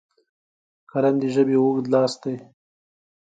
قلم د ژبې اوږد لاس دی